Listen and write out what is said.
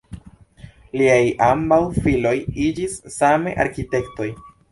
Liaj ambaŭ filoj iĝis same arkitektoj.